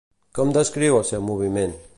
Com descriu el seu moviment?